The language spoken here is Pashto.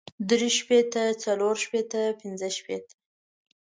درې شپېته څلور شپېته پنځۀ شپېته